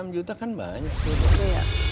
enam juta kan banyak